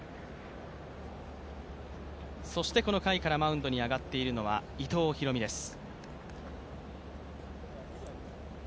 そしてこの回からマウンドに上がっているのは伊藤大海です。